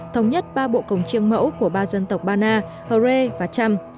thống nhất ba bộ công chiêng mẫu của ba dân tộc bana hồ rê và trăm